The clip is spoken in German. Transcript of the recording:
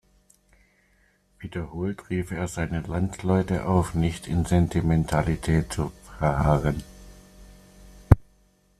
Wiederholt rief er seine Landsleute auf, nicht in Sentimentalität zu verharren.